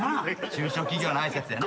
中小企業の挨拶やな。